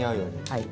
はい。